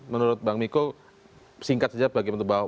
menurut bang miko singkat saja bagaimana